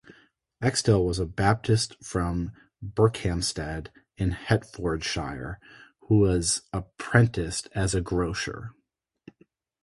Axtell was a Baptist from Berkhamsted in Hertfordshire, who was apprenticed as a grocer.